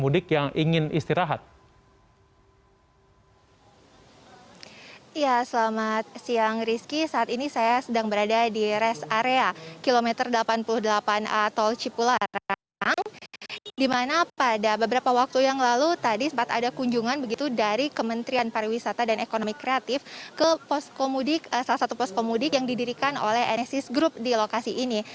dimana pada beberapa waktu yang lalu tadi sempat ada kunjungan begitu dari kementerian pariwisata dan ekonomi kreatif ke poskomudik salah satu poskomudik yang didirikan oleh enesis group di lokasi ini